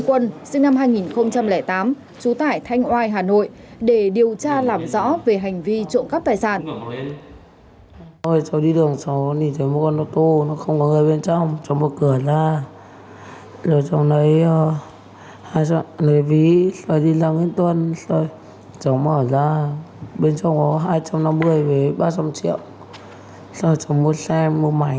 lực lượng hà anh quân sinh năm hai nghìn tám trú tải thanh oai hà nội để điều tra làm rõ về hành vi trộm cấp tài sản